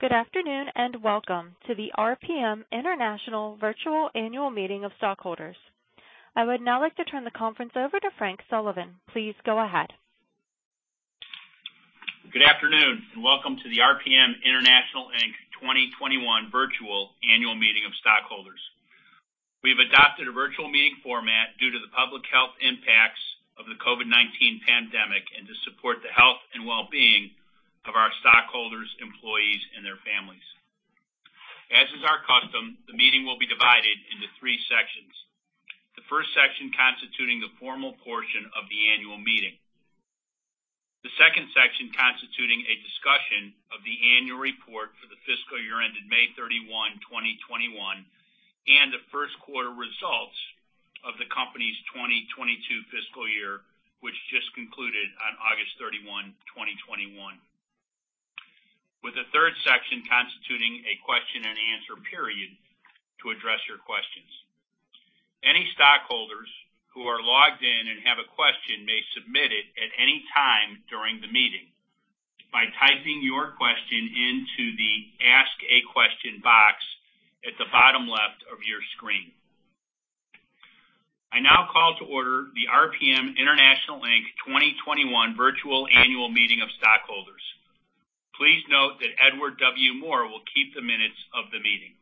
Good afternoon, welcome to the RPM International Virtual Annual Meeting of Stockholders. I would now like to turn the conference over to Frank Sullivan. Please go ahead. Good afternoon, welcome to the RPM International Inc. 2021 Virtual Annual Meeting of Stockholders. We've adopted a virtual meeting format due to the public health impacts of the COVID-19 pandemic and to support the health and wellbeing of our stockholders, employees, and their families. As is our custom, the meeting will be divided into three sections. The first section constituting the formal portion of the annual meeting. The second section constituting a discussion of the annual report for the fiscal year ended May 31, 2021, and the first quarter results of the company's 2022 fiscal year, which just concluded on August 31, 2021. With the third section constituting a question and answer period to address your questions. Any stockholders who are logged in and have a question may submit it at any time during the meeting by typing your question into the Ask a Question box at the bottom left of your screen. I now call to order the RPM International Inc. 2021 Virtual Annual Meeting of Stockholders. Please note that Edward W. Moore will keep the minutes of the meeting.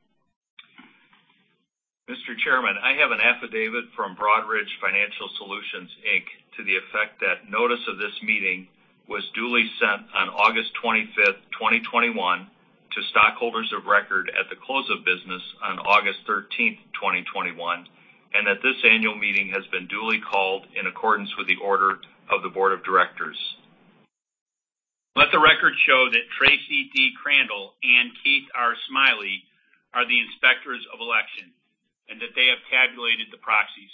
Mr. Chairman, I have an affidavit from Broadridge Financial Solutions, Inc. to the effect that notice of this meeting was duly sent on August 25, 2021, to stockholders of record at the close of business on August 13, 2021, and that this annual meeting has been duly called in accordance with the order of the board of directors. Let the record show that Tracy D. Crandall and Keith R. Smiley are the inspectors of election, and that they have tabulated the proxies.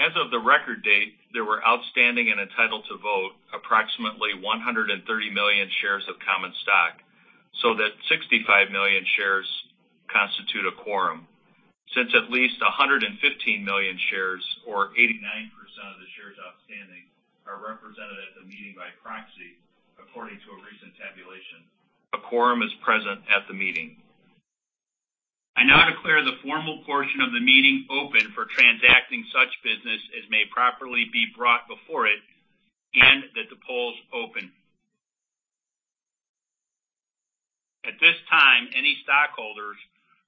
As of the record date, there were outstanding and entitled to vote approximately 130 million shares of common stock, so that 65 million shares constitute a quorum. At least 115 million shares, or 89% of the shares outstanding, are represented at the meeting by proxy, according to a recent tabulation. A quorum is present at the meeting. I now declare the formal portion of the meeting open for transacting such business as may properly be brought before it, and that the polls open. At this time, any stockholders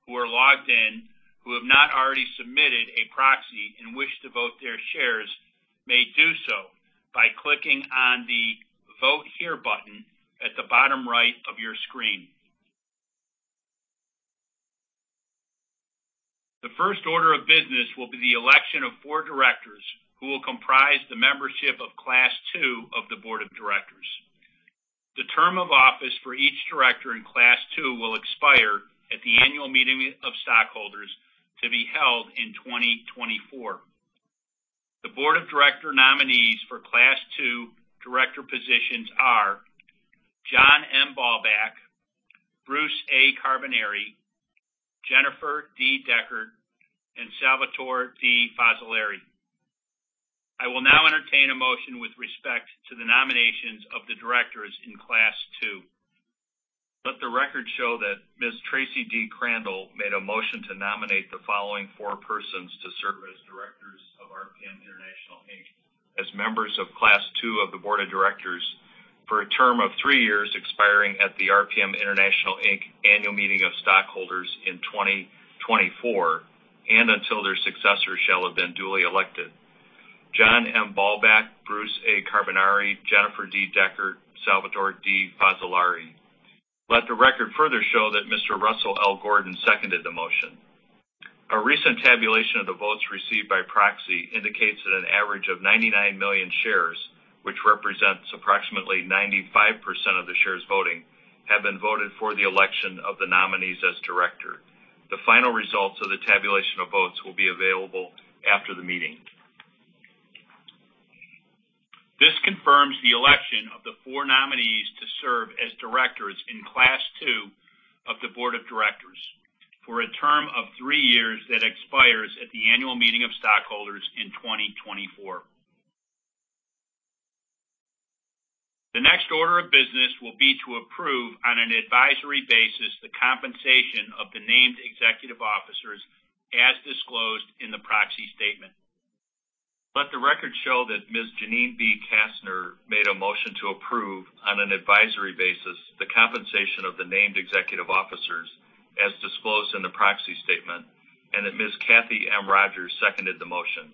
who are logged in who have not already submitted a proxy and wish to vote their shares may do so by clicking on the Vote Here button at the bottom right of your screen. The first order of business will be the election of four directors who will comprise the membership of Class II of the board of directors. The term of office for each director in Class II will expire at the annual meeting of stockholders to be held in 2024. The board of director nominees for Class II director positions are John M. Ballbach, Bruce A. Carbonari, Jenniffer D. Deckard, and Salvatore D. Fazzolari. I will now entertain a motion with respect to the nominations of the directors in Class II. Let the record show that Ms. Tracy D. Crandall made a motion to nominate the following four persons to serve as directors of RPM International Inc. As members of Class II of the board of directors for a term of three years expiring at the RPM International Inc. Annual Meeting of Stockholders in 2024, and until their successors shall have been duly elected. John M. Ballbach, Bruce A. Carbonari, Jenniffer D. Deckard, Salvatore D. Fazzolari. Let the record further show that Mr. Russell L. Gordon seconded the motion. A recent tabulation of the votes received by proxy indicates that an average of 99 million shares, which represents approximately 95% of the shares voting, have been voted for the election of the nominees as director. The final results of the tabulation of votes will be available after the meeting. This confirms the election of the four nominees to serve as directors in Class II of the board of directors for a term of three years that expires at the annual meeting of stockholders in 2024. The next order of business will be to approve, on an advisory basis, the compensation of the named executive officers as disclosed in the proxy statement. Let the record show that Ms. Janeen B. Kastner made a motion to approve, on an advisory basis, the compensation of the named executive officers as disclosed in the proxy statement, and that Ms. Kathie M. Rogers seconded the motion.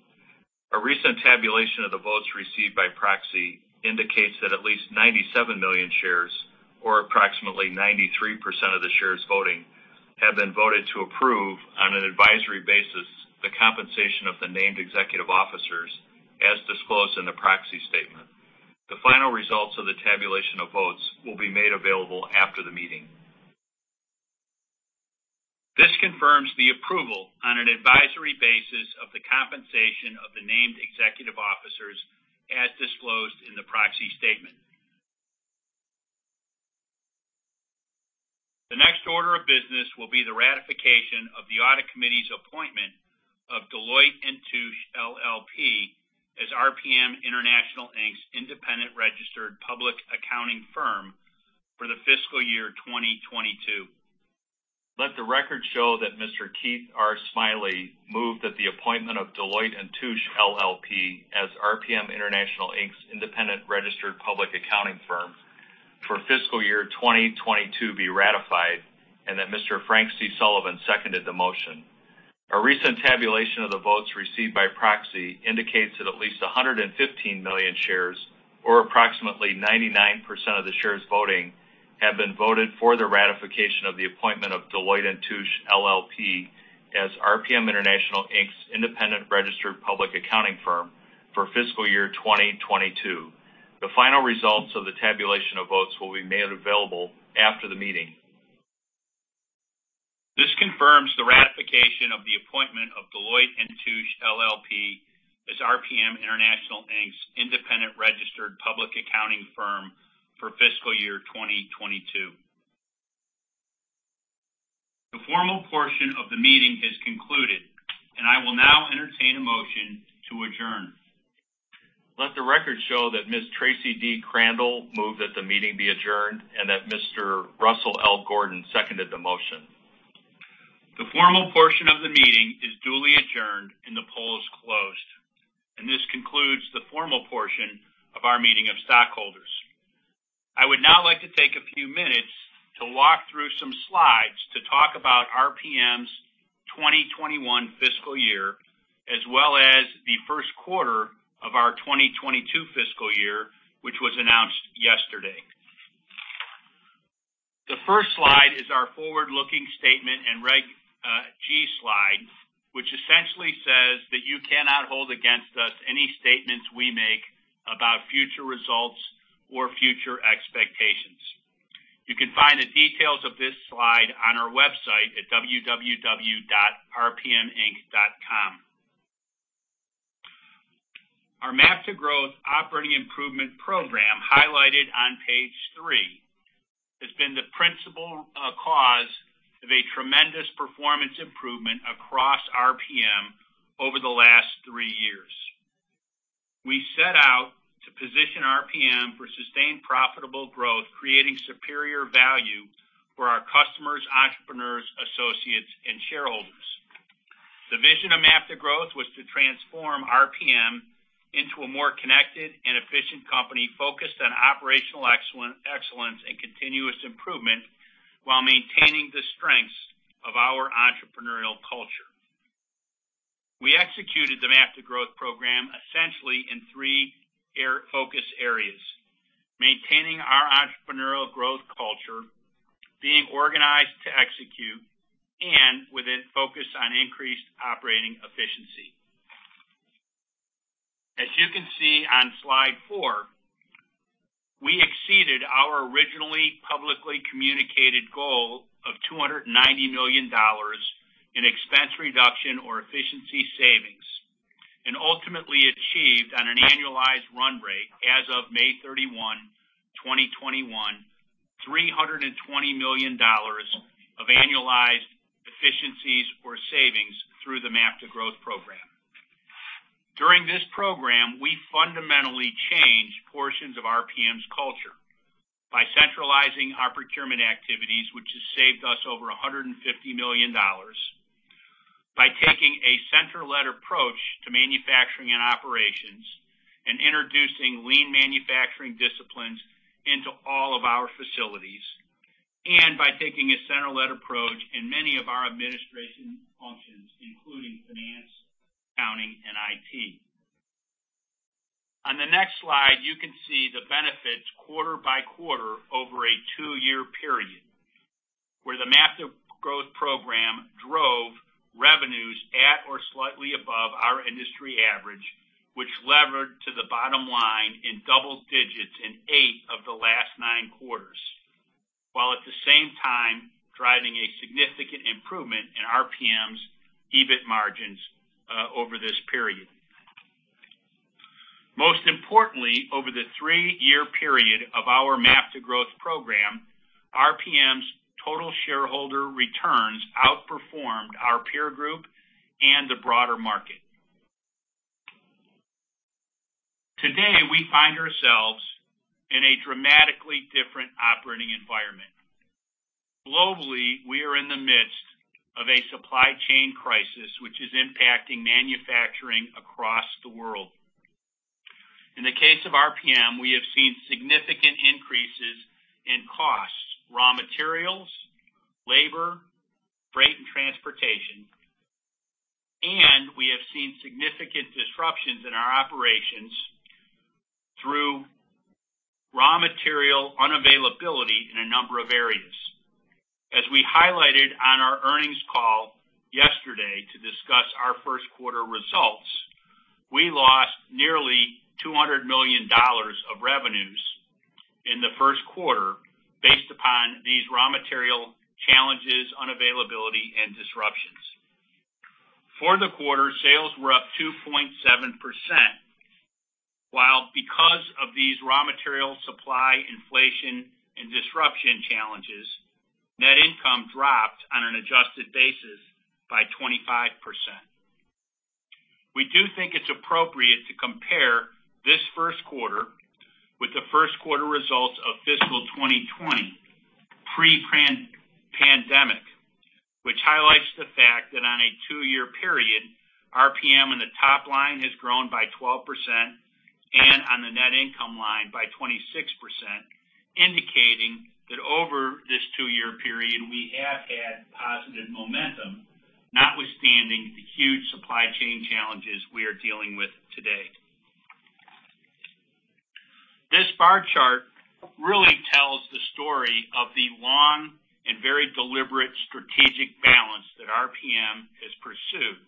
A recent tabulation of the votes received by proxy indicates that at least 97 million shares, or approximately 93% of the shares voting, have been voted to approve, on an advisory basis, the compensation of the named executive officers as disclosed in the proxy statement. The final results of the tabulation of votes will be made available after the meeting. This confirms the approval, on an advisory basis, of the compensation of the named executive officers as disclosed in the proxy statement. The next order of business will be the ratification of the audit committee's appointment of Deloitte & Touche LLP as RPM International Inc.'s independent registered public accounting firm for the fiscal year 2022. Let the record show that Mr. Keith R. Smiley moved that the appointment of Deloitte & Touche LLP as RPM International Inc.'s independent registered public accounting firm for fiscal year 2022 be ratified, and that Mr. Frank C. Sullivan seconded the motion. A recent tabulation of the votes received by proxy indicates that at least 115 million shares, or approximately 99% of the shares voting, have been voted for the ratification of the appointment of Deloitte & Touche LLP as RPM International Inc.'s independent registered public accounting firm for fiscal year 2022. The final results of the tabulation of votes will be made available after the meeting. This confirms the ratification of the appointment of Deloitte & Touche LLP as RPM International Inc.'s independent registered public accounting firm for fiscal year 2022. The formal portion of the meeting has concluded, and I will now entertain a motion to adjourn. Let the record show that Ms. Tracy D. Crandall moved that the meeting be adjourned and that Mr. Russell L. Gordon seconded the motion. The formal portion of the meeting is duly adjourned and the poll is closed. This concludes the formal portion of our meeting of stockholders. I would now like to take a few minutes to walk through some slides to talk about RPM's 2021 fiscal year, as well as the first quarter of our 2022 fiscal year, which was announced yesterday. The first slide is our forward-looking statement and Reg G slide, which essentially says that you cannot hold against us any statements we make about future results or future expectations. You can find the details of this slide on our website at www.rpminc.com. Our MAP to Growth operating improvement program, highlighted on page three, has been the principal cause of a tremendous performance improvement across RPM over the last three years. We set out to position RPM for sustained profitable growth, creating superior value for our customers, entrepreneurs, associates, and shareholders. The vision of MAP to Growth was to transform RPM into a more connected and efficient company focused on operational excellence and continuous improvement while maintaining the strengths of our entrepreneurial culture. We executed the MAP to Growth program essentially in three focus areas, maintaining our entrepreneurial growth culture, being organized to execute, and with a focus on increased operating efficiency. As you can see on slide four, we exceeded our originally publicly communicated goal of $290 million in expense reduction or efficiency savings, and ultimately achieved on an annualized run rate as of May 31, 2021, $320 million of annualized efficiencies or savings through the MAP to Growth program. During this program, we fundamentally changed portions of RPM's culture by centralizing our procurement activities, which has saved us over $150 million, by taking a center-led approach to manufacturing and operations, and introducing lean manufacturing disciplines into all of our facilities, and by taking a center-led approach in many of our administration functions, including finance, accounting, and IT. On the next slide, you can see the benefits quarter-by-quarter over a two-year period, where the MAP to Growth program drove revenues at or slightly above our industry average, which levered to the bottom line in double digits in eight of the last nine quarters, while at the same time driving a significant improvement in RPM's EBIT margins over this period. Most importantly, over the three-year period of our MAP to Growth program, RPM's total shareholder returns outperformed our peer group and the broader market. Today, we find ourselves in a dramatically different operating environment. Globally, we are in the midst of a supply chain crisis, which is impacting manufacturing across the world. In the case of RPM, we have seen significant increases in costs, raw materials, labor, freight, and transportation, and we have seen significant disruptions in our operations through raw material unavailability in a number of areas. As we highlighted on our earnings call yesterday to discuss our first quarter results, we lost nearly $200 million of revenues in the first quarter based upon these raw material challenges, unavailability, and disruptions. For the quarter, sales were up 2.7%, while because of these raw material supply inflation and disruption challenges, net income dropped on an adjusted basis by 25%. We do think it's appropriate to compare this first quarter with the first quarter results of fiscal 2020, pre-pandemic, which highlights the fact that on a two-year period, RPM in the top line has grown by 12%, and on the net income line by 26%, indicating that over this two-year period, we have had positive momentum, notwithstanding the huge supply chain challenges we are dealing with today. This bar chart really tells the story of the long and very deliberate strategic balance that RPM has pursued,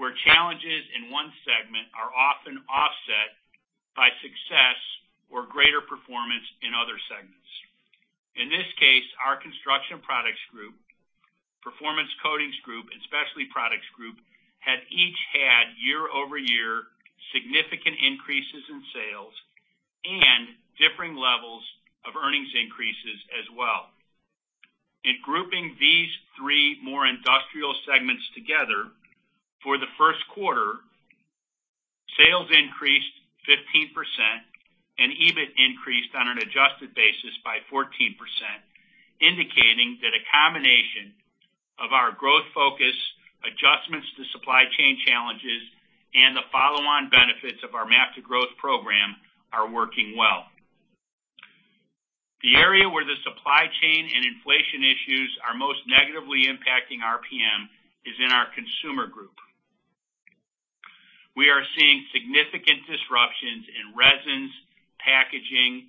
where challenges in one segment are often offset by success or greater performance in other segments. In this case, our Construction Products Group, Performance Coatings Group, and Specialty Products Group have each had year-over-year significant increases in sales and differing levels of earnings increases as well. In grouping these three more industrial segments together, for the first quarter, sales increased 15% and EBIT increased on an adjusted basis by 14%, indicating that a combination of our growth focus, adjustments to supply chain challenges, and the follow-on benefits of our MAP to Growth program are working well. The area where the supply chain and inflation issues are most negatively impacting RPM is in our Consumer Group. We are seeing significant disruptions in resins, packaging,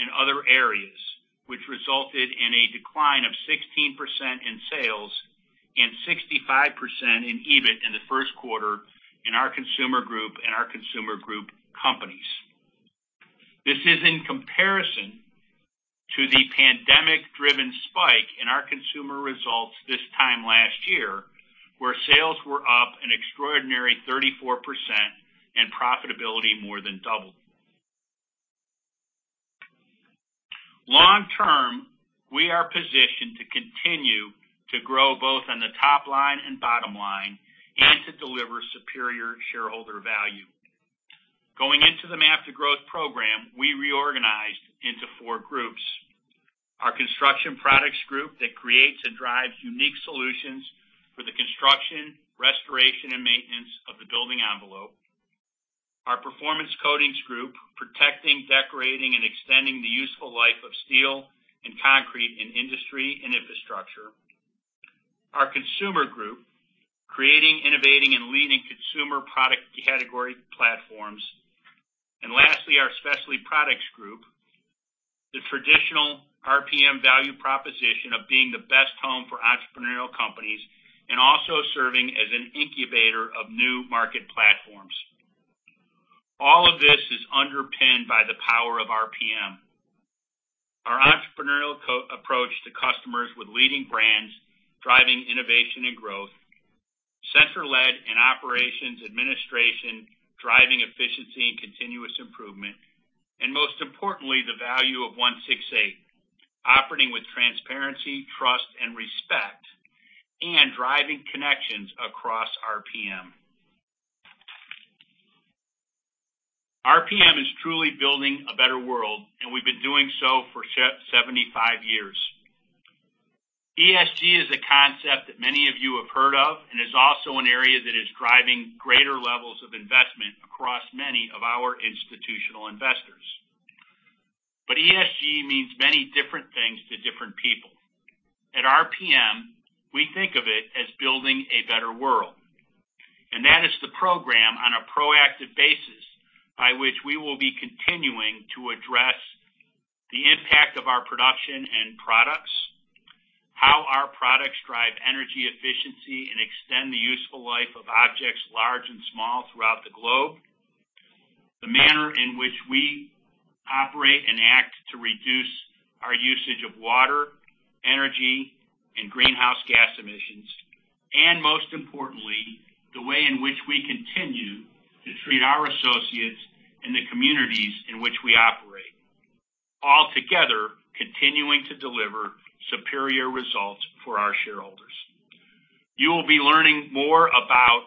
and other areas, which resulted in a decline of 16% in sales and 65% in EBIT in the first quarter in our Consumer Group and our Consumer Group companies. This is in comparison to the pandemic-driven spike in our consumer results this time last year, where sales were up an extraordinary 34% and profitability more than doubled. Long term, we are positioned to continue to grow both on the top line and bottom line and to deliver superior shareholder value. Going into the MAP to Growth program, we reorganized into four groups. Our Construction Products Group that creates and drives unique solutions for the construction, restoration, and maintenance of the building envelope. Our Performance Coatings Group, protecting, decorating, and extending the useful life of steel and concrete in industry and infrastructure. Our Consumer Group, creating, innovating, and leading consumer product category platforms. Lastly, our Specialty Products Group, the traditional RPM value proposition of being the best home for entrepreneurial companies and also serving as an incubator of new market platforms. All of this is underpinned by the power of RPM. Our entrepreneurial approach to customers with leading brands, driving innovation and growth. Center-led and operations administration, driving efficiency and continuous improvement. Most importantly, the value of 168, operating with transparency, trust, and respect, and driving connections across RPM. RPM is truly Building a Better World, and we've been doing so for 75 years. ESG is a concept that many of you have heard of and is also an area that is driving greater levels of investment across many of our institutional investors. ESG means many different things to different people. At RPM, we think of it as Building a Better World, that is the program on a proactive basis by which we will be continuing to address the impact of our production and products, how our products drive energy efficiency and extend the useful life of objects large and small throughout the globe, the manner in which we operate and act to reduce our usage of water, energy, and greenhouse gas emissions, most importantly, the way in which we continue to treat our associates and the communities in which we operate, all together, continuing to deliver superior results for our shareholders. You will be learning more about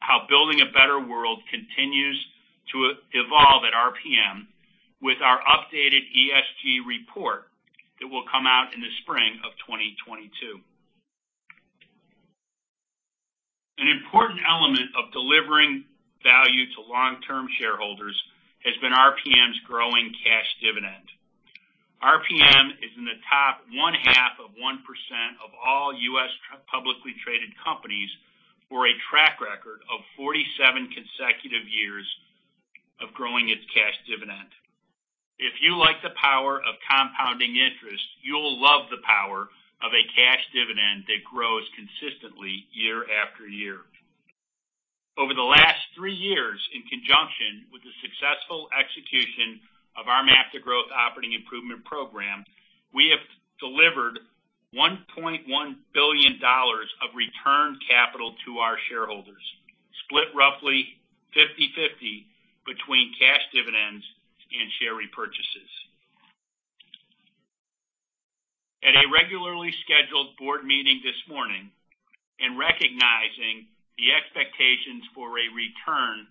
how Building a Better World continues to evolve at RPM with our updated ESG report that will come out in the spring of 2022. An important element of delivering value to long-term shareholders has been RPM's growing cash dividend. RPM is in the top one-half of 1% of all U.S. publicly traded companies for a track record of 47 consecutive years of growing its cash dividend. If you like the power of compounding interest, you'll love the power of a cash dividend that grows consistently year after year. Over the last three years, in conjunction with the successful execution of our MAP to Growth operating improvement program, we have delivered $1.1 billion of return capital to our shareholders, split roughly 50/50 between cash dividends and share repurchases. At a regularly scheduled board meeting this morning, in recognizing the expectations for a return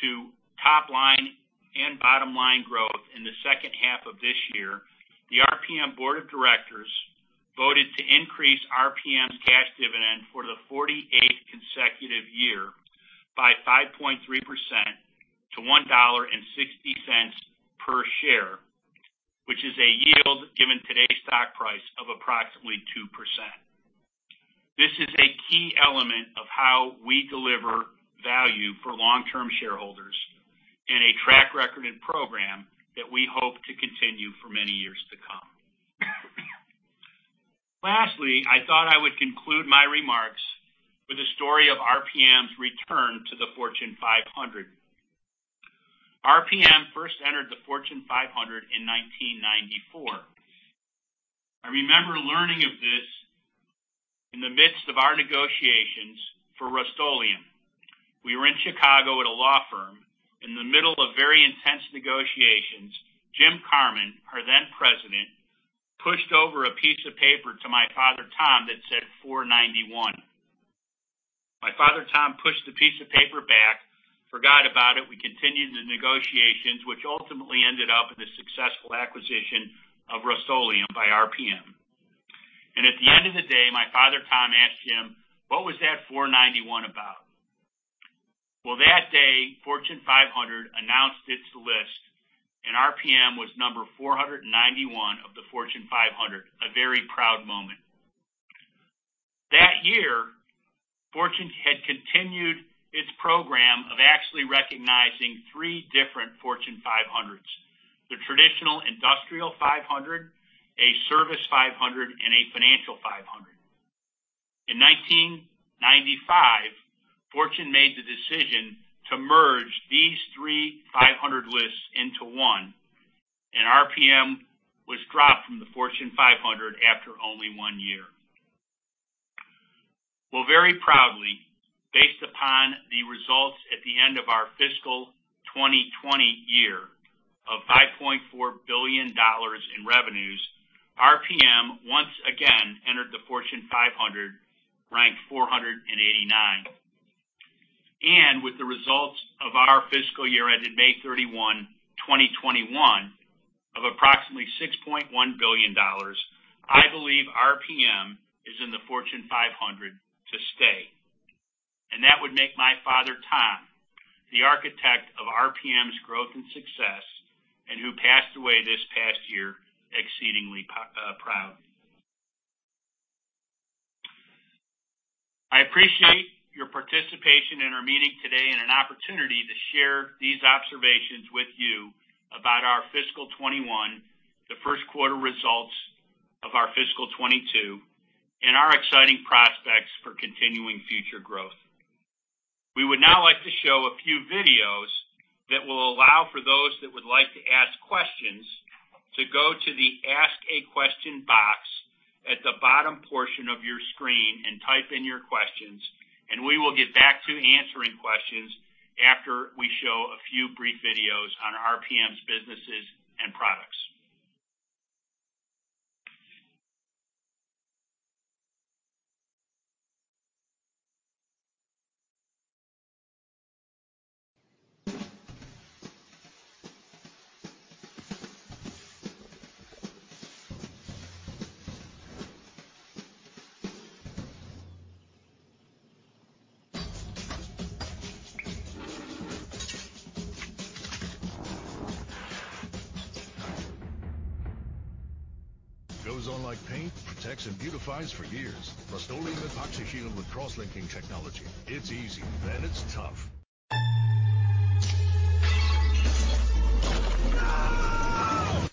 to top line and bottom line growth in the second half of this year, the RPM Board of Directors voted to increase RPM's cash dividend for the 48th consecutive year by 5.3% to $1.60 per share, which is a yield, given today's stock price, of approximately 2%. This is a key element of how we deliver value for long-term shareholders and a track-recorded program that we hope to continue for many years to come. Lastly, I thought I would conclude my remarks with the story of RPM's return to the Fortune 500. RPM first entered the Fortune 500 in 1994. I remember learning of this in the midst of our negotiations for Rust-Oleum. We were in Chicago at a law firm. In the middle of very intense negotiations, Jim Karman, our then President, pushed over a piece of paper to my father, Tom, that said 491. My father, Tom, pushed the piece of paper back, forgot about it. We continued the negotiations, which ultimately ended up in the successful acquisition of Rust-Oleum by RPM. At the end of the day, my father, Tom, asked Jim, "What was that 491 about?" That day, Fortune 500 announced its list, and RPM was number 491 of the Fortune 500, a very proud moment. That year, Fortune had continued its program of actually recognizing three different Fortune 500s, the traditional Industrial 500, a Service 500, and a Financial 500. In 1995, Fortune made the decision to merge these three-500 lists into one, and RPM was dropped from the Fortune 500 after only one year. Very proudly, based upon the results at the end of our fiscal 2020 year of $5.4 billion in revenues, RPM once again entered the Fortune 500, ranked 489. With the results of our fiscal year ended May 31, 2021, of approximately $6.1 billion, I believe RPM is in the Fortune 500 to stay. That would make my father, Tom, the architect of RPM's growth and success, and who passed away this past year, exceedingly proud. I appreciate your participation in our meeting today and an opportunity to share these observations with you about our fiscal 2021, the first quarter results of our fiscal 2022, and our exciting prospects for continuing future growth. We would now like to show a few videos that will allow for those that would like to ask questions to go to the Ask a Question box at the bottom portion of your screen and type in your questions, and we will get back to answering questions after we show a few brief videos on RPM's businesses and products. Goes on like paint, protects and beautifies for years. Rust-Oleum EpoxyShield with cross-linking technology. It's easy, and it's tough.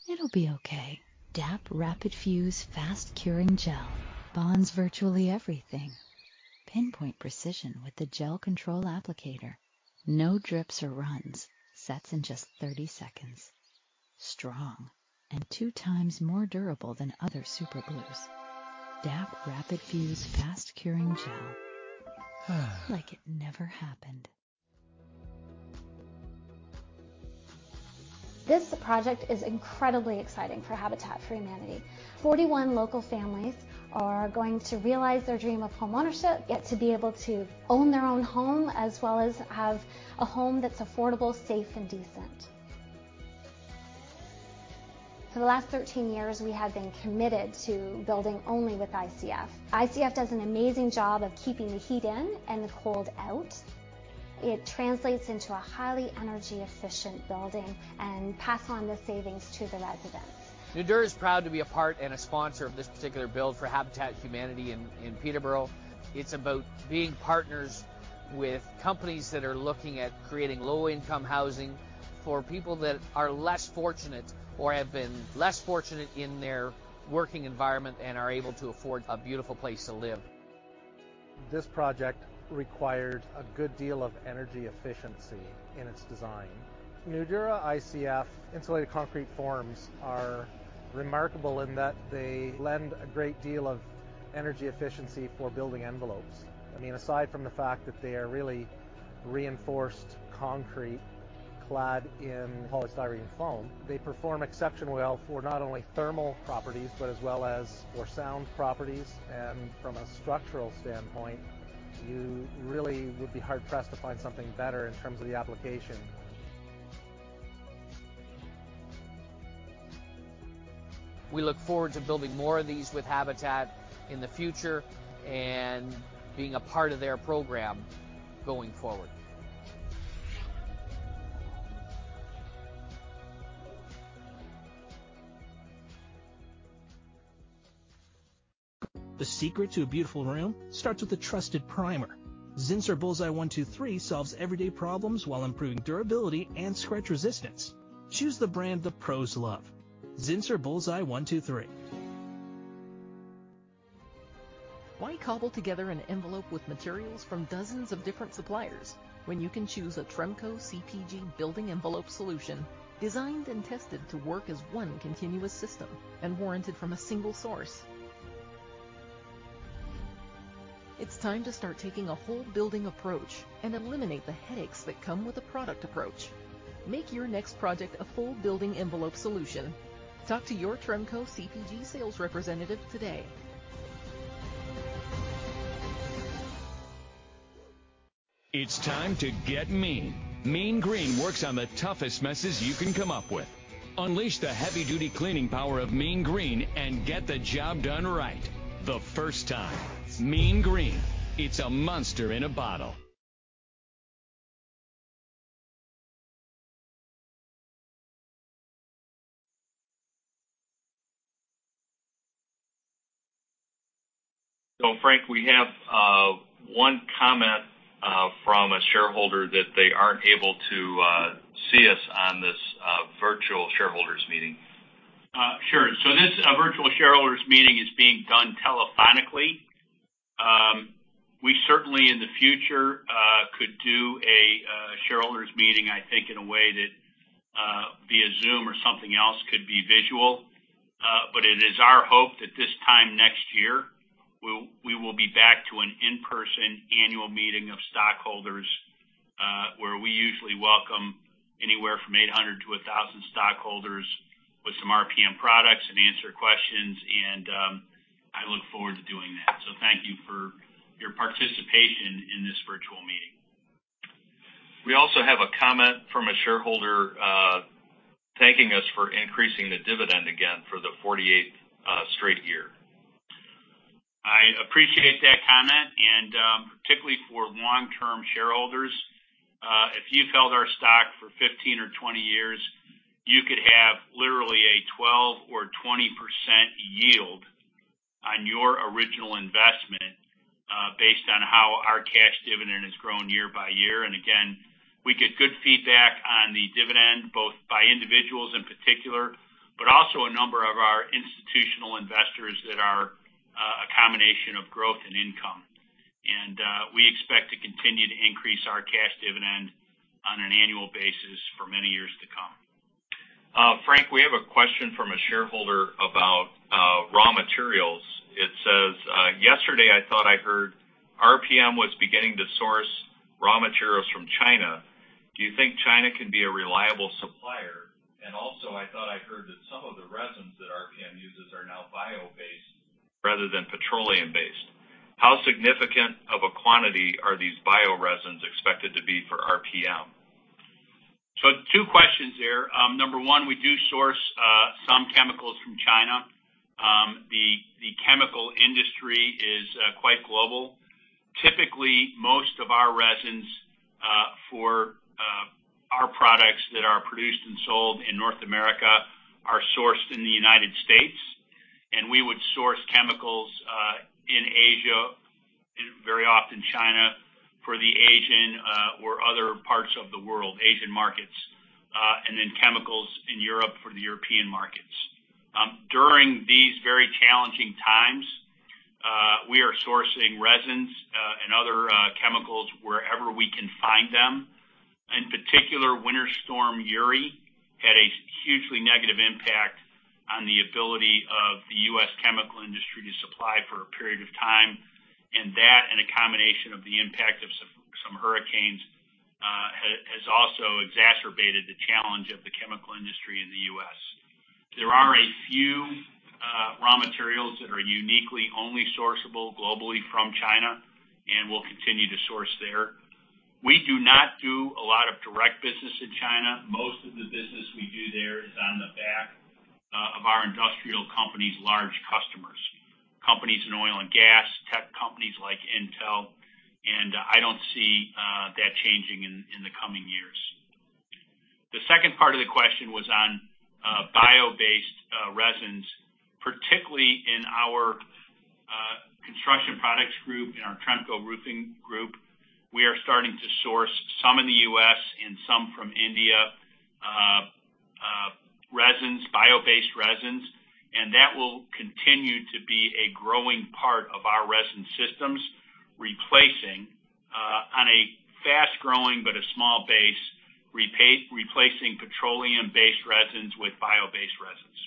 It'll be okay. DAP RapidFuse Fast Curing Gel bonds virtually everything. Pinpoint precision with the gel control applicator. No drips or runs. Sets in just 30 seconds. Strong and two times more durable than other super glues. DAP RapidFuse Fast Curing Gel. Like it never happened. This project is incredibly exciting for Habitat for Humanity. 41 local families are going to realize their dream of homeownership, get to be able to own their own home, as well as have a home that's affordable, safe, and decent. For the last 13 years, we have been committed to building only with ICF. ICF does an amazing job of keeping the heat in and the cold out. It translates into a highly energy-efficient building and pass on the savings to the residents. Nudura is proud to be a part and a sponsor of this particular build for Habitat for Humanity in Peterborough. It's about being partners with companies that are looking at creating low-income housing for people that are less fortunate or have been less fortunate in their working environment and are able to afford a beautiful place to live. This project required a good deal of energy efficiency in its design. Nudura ICF insulated concrete forms are remarkable in that they lend a great deal of energy efficiency for building envelopes. Aside from the fact that they are really reinforced concrete clad in polystyrene foam, they perform exceptionally well for not only thermal properties, but as well as for sound properties. From a structural standpoint, you really would be hard-pressed to find something better in terms of the application. We look forward to building more of these with Habitat in the future and being a part of their program going forward. The secret to a beautiful room starts with a trusted primer. Zinsser Bulls Eye 1-2-3 solves everyday problems while improving durability and scratch resistance. Choose the brand the pros love. Zinsser Bulls Eye 1-2-3. Why cobble together an envelope with materials from dozens of different suppliers when you can choose a Tremco CPG building envelope solution designed and tested to work as one continuous system and warranted from a single source? It's time to start taking a whole building approach and eliminate the headaches that come with a product approach. Make your next project a full building envelope solution. Talk to your Tremco CPG sales representative today. It's time to get Mean. Mean Green works on the toughest messes you can come up with. Unleash the heavy duty cleaning power of Mean Green and get the job done right the first time. Mean Green. It's a monster in a bottle. Frank, we have one comment from a shareholder that they aren't able to see us on this virtual shareholders meeting. Sure. This virtual shareholders meeting is being done telephonically. We certainly in the future could do a shareholders meeting, I think in a way that via Zoom or something else could be visual. It is our hope that this time next year, we will be back to an in-person annual meeting of stockholders, where we usually welcome anywhere from 800 to 1,000 stockholders with some RPM products and answer questions. I look forward to doing that. Thank you for your participation in this virtual meeting. We also have a comment from a shareholder thanking us for increasing the dividend again for the 48th straight year. I appreciate that comment, and particularly for long-term shareholders. If you've held our stock for 15 or 20 years, you could have literally a 12% or 20% yield on your original investment based on how our cash dividend has grown year-by-year. Again, we get good feedback on the dividend, both by individuals in particular, but also a number of our institutional investors that are a combination of growth and income. We expect to continue to increase our cash dividend on an annual basis for many years to come. Frank, we have a question from a shareholder about raw materials. It says, "Yesterday I thought I heard RPM was beginning to source raw materials from China. Do you think China can be a reliable supplier? Also I thought I heard that some of the resins that RPM uses are now bio-based rather than petroleum-based. How significant of a quantity are these bio-resins expected to be for RPM? Two questions there. Number one, we do source some chemicals from China. The chemical industry is quite global. Typically, most of our resins for our products that are produced and sold in North America are sourced in the United States, and we would source chemicals in Asia, and very often China for the Asian or other parts of the world, Asian markets, and then chemicals in Europe for the European markets. During these very challenging times, we are sourcing resins and other chemicals wherever we can find them. In particular, Winter Storm Uri had a hugely negative impact on the ability of the U.S. chemical industry to supply for a period of time. That and a combination of the impact of some hurricanes has also exacerbated the challenge of the chemical industry in the U.S. There are a few raw materials that are uniquely only sourceable globally from China and we'll continue to source there. We do not do a lot of direct business in China. Most of the business we do there is on the back of our industrial company's large customers. Companies in oil and gas, tech companies like Intel, and I don't see that changing in the coming years. The second part of the question was on bio-based resins, particularly in our Construction Products Group, in our Tremco Roofing. We are starting to source some in the U.S. and some from India. That will continue to be a growing part of our resin systems, replacing on a fast-growing but a small base, replacing petroleum-based resins with bio-based resins.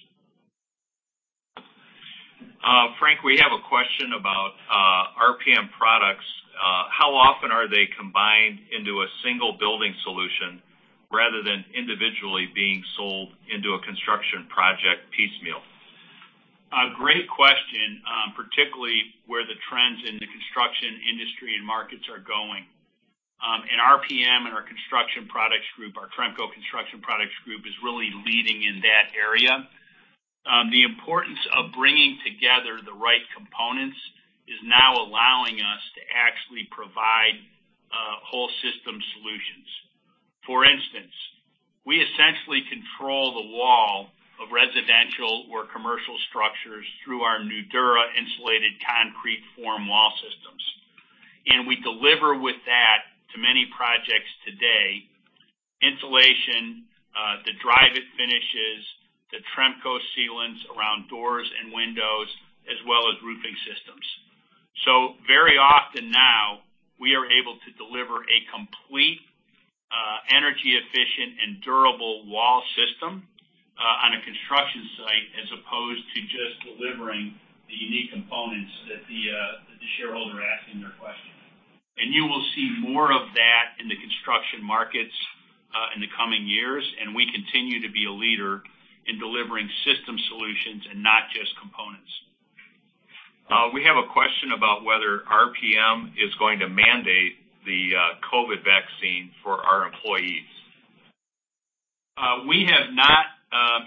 Frank, we have a question about RPM products. How often are they combined into a single building solution rather than individually being sold into a construction project piecemeal? A great question, particularly where the trends in the construction industry and markets are going. In RPM and our Construction Products Group, our Tremco Construction Products Group is really leading in that area. The importance of bringing together the right components is now allowing us to actually provide whole system solutions. For instance, we essentially control the wall of residential or commercial structures through our Nudura insulated concrete form wall systems. We deliver with that to many projects today, insulation, the Dryvit finishes, the Tremco sealants around doors and windows, as well as roofing systems. Very often now, we are able to deliver a complete, energy-efficient and durable wall system on a construction site, as opposed to just delivering the unique components that the shareholder asking their question. You will see more of that in the construction markets in the coming years, and we continue to be a leader in delivering system solutions and not just components. We have a question about whether RPM is going to mandate the COVID vaccine for our employees. We have not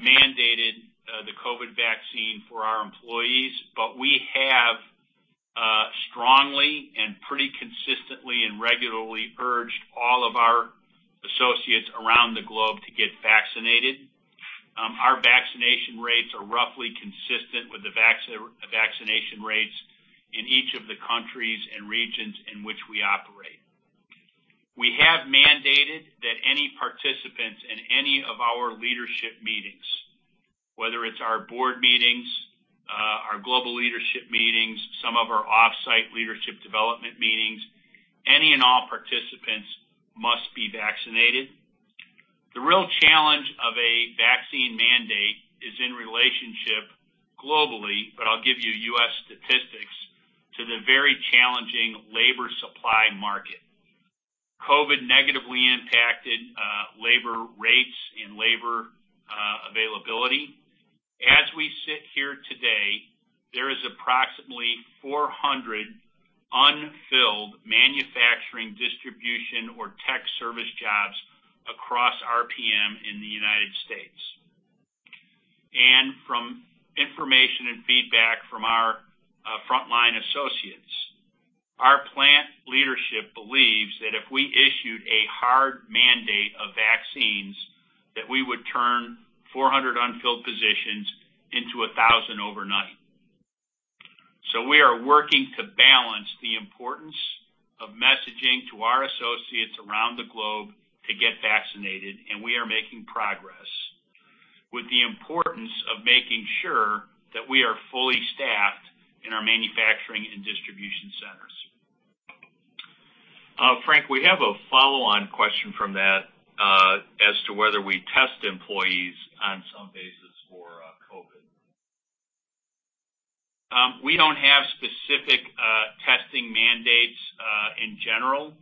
mandated the COVID vaccine for our employees. We have strongly and pretty consistently and regularly urged all of our associates around the globe to get vaccinated. Our vaccination rates are roughly consistent with the vaccination rates in each of the countries and regions in which we operate. We have mandated that any participants in any of our leadership meetings, whether it's our board meetings, our global leadership meetings, some of our off-site leadership development meetings, any and all participants must be vaccinated. The real challenge of a vaccine mandate is in relationship globally. I'll give you U.S. statistics, to the very challenging labor supply market. COVID negatively impacted labor rates and labor availability. As we sit here today, there is approximately 400 unfilled manufacturing, distribution, or tech service jobs across RPM in the United States. From information and feedback from our frontline associates, our plant leadership believes that if we issued a hard mandate of vaccines, that we would turn 400 unfilled positions into 1,000 overnight. We are working to balance the importance of messaging to our associates around the globe to get vaccinated, and we are making progress, with the importance of making sure that we are fully staffed in our manufacturing and distribution centers. Frank, we have a follow-on question from that, as to whether we test employees on some basis for COVID. We don't have specific testing mandates in general.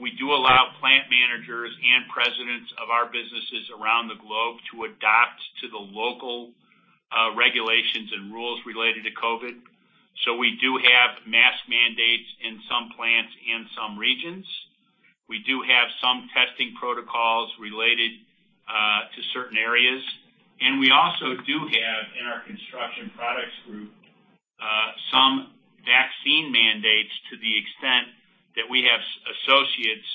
We do allow plant managers and presidents of our businesses around the globe to adopt to the local regulations and rules related to COVID. We do have mask mandates in some plants in some regions. We do have some testing protocols related to certain areas, and we also do have in our Construction Products Group, some vaccine mandates to the extent that we have associates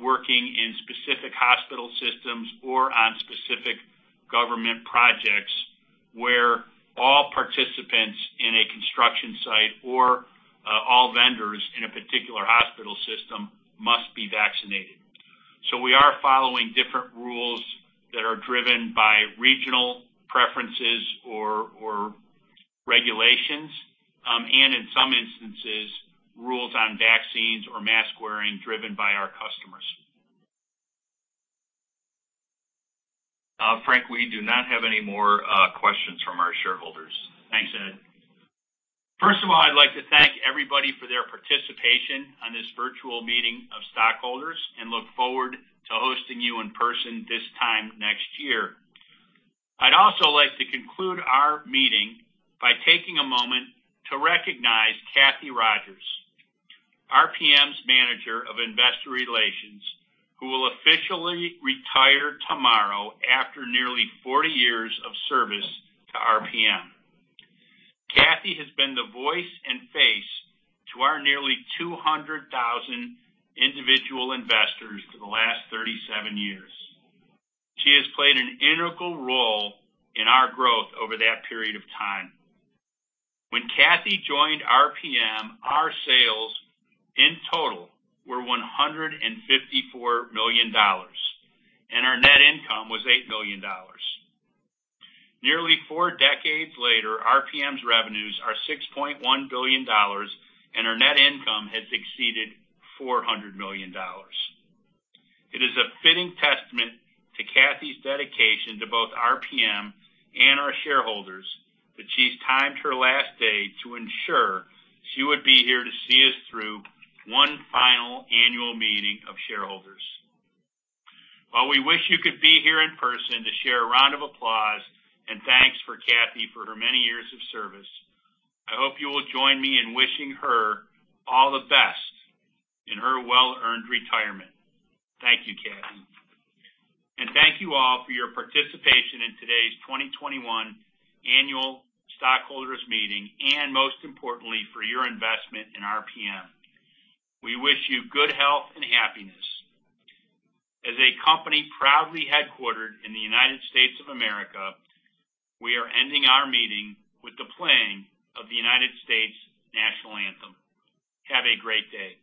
working in specific hospital systems or on specific government projects where all participants in a construction site or all vendors in a particular hospital system must be vaccinated. We are following different rules that are driven by regional preferences or regulations, and in some instances, rules on vaccines or mask wearing driven by our customers. Frank, we do not have any more questions from our shareholders. Thanks, Ed. First of all, I'd like to thank everybody for their participation on this virtual meeting of stockholders and look forward to hosting you in person this time next year. I'd also like to conclude our meeting by taking a moment to recognize Kathie Rogers, RPM's Manager of Investor Relations, who will officially retire tomorrow after nearly 40 years of service to RPM. Kathie has been the voice and face to our nearly 200,000 individual investors for the last 37 years. She has played an integral role in our growth over that period of time. When Kathie joined RPM, our sales in total were $154 million, and our net income was $8 million. Nearly four decades later, RPM's revenues are $6.1 billion, and our net income has exceeded $400 million. It is a fitting testament to Kathie's dedication to both RPM and our shareholders that she's timed her last day to ensure she would be here to see us through one final annual meeting of shareholders. While we wish you could be here in person to share a round of applause and thanks for Kathie for her many years of service, I hope you will join me in wishing her all the best in her well-earned retirement. Thank you, Kathie. Thank you all for your participation in today's 2021 annual stockholders meeting and most importantly, for your investment in RPM. We wish you good health and happiness. As a company proudly headquartered in the United States of America, we are ending our meeting with the playing of the United States national anthem. Have a great day.